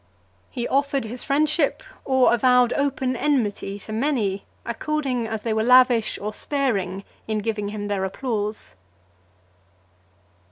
He offered his friendship, or avowed (356) open enmity to many, according as they were lavish or sparing in giving him their applause.